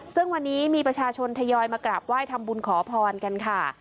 ซึ่งวันนี้มีประชาชนทยอยมากราบไหว้ทำบุญขอพรกันค่ะ